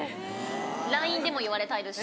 ＬＩＮＥでも言われたいですし。